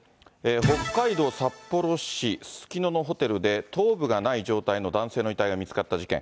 北海道札幌市すすきののホテルで頭部がない状態の男性の遺体が見つかった事件。